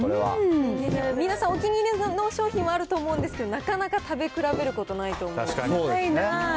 皆さん、お気に入りの商品はあると思うんですけど、なかなか食べ比べることないと思います。